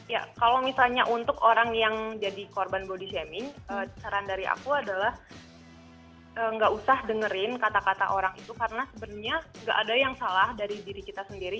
ya kalau misalnya untuk orang yang jadi korban body shaming saran dari aku adalah nggak usah dengerin kata kata orang itu karena sebenarnya nggak ada yang salah dari diri kita sendiri